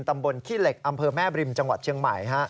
ขี้เหล็กอำเภอแม่บริมจังหวัดเชียงใหม่